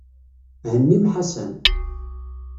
Hennim Ḥasan.